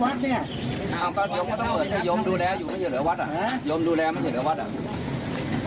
โรงเกียวก้าวค่ะ